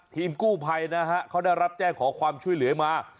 ทีมกู้ภัยนะฮะเขาได้รับแจ้งขอความช่วยเหลือมา